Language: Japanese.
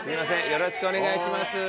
よろしくお願いします。